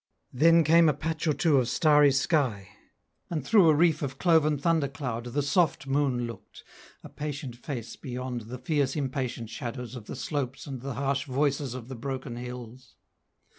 Then came a patch or two of starry sky, And through a reef of cloven thunder cloud The soft moon looked: a patient face beyond The fierce impatient shadows of the slopes And the harsh voices of the broken hills!